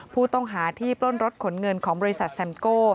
ผู้ต้องหาที่ปล้นรถขนเงินของบริษัทแซมโก้